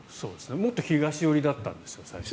もっと東寄りだったんです最初。